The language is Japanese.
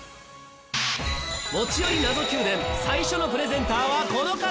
『持ち寄り謎Ｑ殿』最初のプレゼンターはこの方！